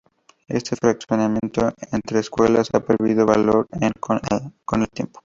Este enfrentamiento entre escuelas ha perdido valor con el tiempo.